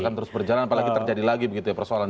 apalagi terjadi lagi persoalan ini